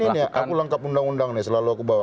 ini aku lengkap undang undang nih selalu aku bawa